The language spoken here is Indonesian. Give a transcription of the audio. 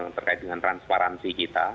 terkait dengan transparansi kita